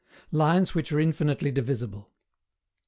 LINES WHICH ARE INFINITELY DIVISIBLE.